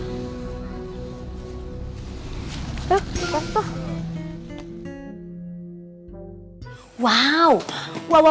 gak ada apa apa